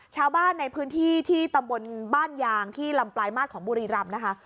ชาวบ้านในพื้นที่ที่ตำบลบ้านยางที่ลำปลายมาตรของบุรีรำนะคะ